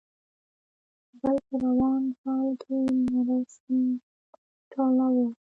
، بل په روان حال کې نری سيم ټولاوه.